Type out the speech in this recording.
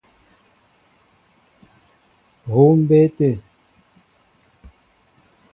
Huu mbé te.